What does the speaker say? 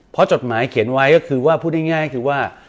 เพราะจดหมายเขียนไว้ก็คือว่าพูดง่ายคือว่า